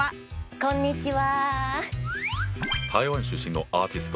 こんにちは。